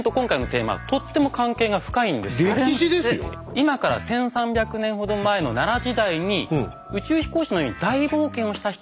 今から１，３００年ほど前の奈良時代に宇宙飛行士のように大冒険をした人たちがいました。